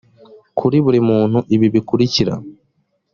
kuri buri muntu ibi bikurikira